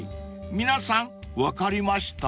皆さん分かりました？］